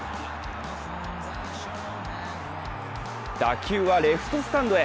打球はレフトスタンドへ。